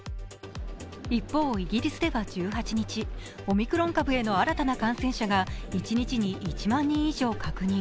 一方、イギリスでは１８日、オミクロン株への新たな感染者が一日に１万人以上確認。